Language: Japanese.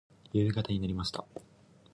夕方になりました。